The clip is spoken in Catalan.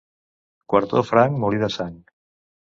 Quartó franc, molí de sang.